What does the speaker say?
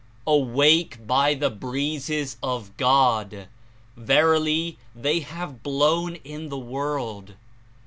Awake by the Breezes of God ! Verily, they have blown in the world.